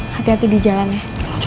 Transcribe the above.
hati hati di jalannya